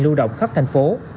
lưu động khắp thành phố